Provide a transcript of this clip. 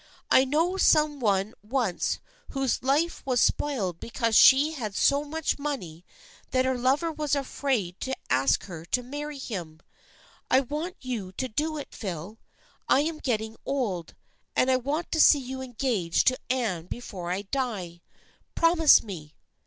I knew some one once whose whole life was spoiled because she had so much money that her lover was afraid to ask her to marry him. I want you to do it, Phil. I am getting old, and I want to see you engaged to Anne before I die. Promise me."